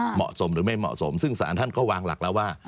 เหมาะสมหรือไม่เหมาะสมซึ่งสารท่านก็วางหลักแล้วว่า